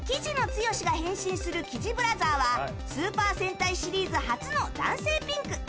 つよしが変身するキジブラザーはスーパー戦隊シリーズ初の男性ピンク。